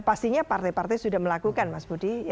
pastinya partai partai sudah melakukan mas budi